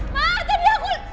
ma tadi aku